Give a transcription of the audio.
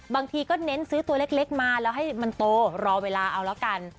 บางทีก็เน้นซื้อตัวเล็กมาแล้วให้มันโตรอเวลาเอาแล้วกัน